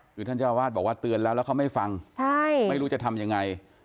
คือท่านเจ้าวาดบอกว่าเตือนแล้วแล้วเขาไม่ฟังไม่รู้จะทำยังไง